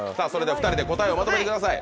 ２人で答えをまとめてください。